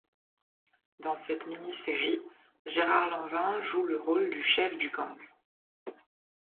Dans cette mini-série, Gérard Lanvin joue le rôle du chef du gang.